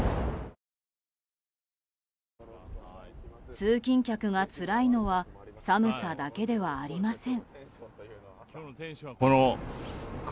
通勤客がつらいのは寒さだけではありません。